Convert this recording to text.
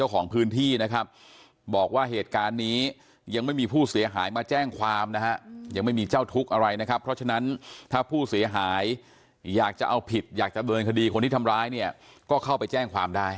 ขอบคุณฟัง